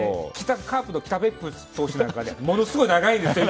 カープの北別府投手なんかはものすごい長いんですよ。